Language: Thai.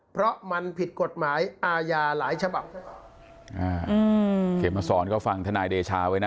เพราะมันผิดกฎหมายอาญาหลายฉบับอ่าอืมเขมมาสอนก็ฟังทนายเดชาไว้นะ